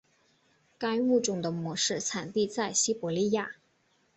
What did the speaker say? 该物种的模式产地在西伯利亚。